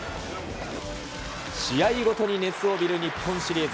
試合ごとに熱を帯びる日本シリーズ。